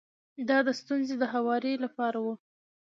دا د ستونزې د هواري لپاره و.